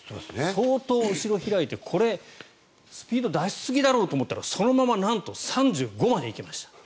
相当後ろと開いてこれ、スピードを出しすぎだろと思ったらそのままなんと３５まで行きました。